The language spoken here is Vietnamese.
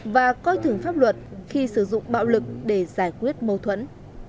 và coi thường pháp luật khi sử dụng bạo lực để giải quyết mâu thuẫn